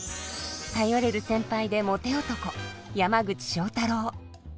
頼れる先輩でモテ男山口正太郎。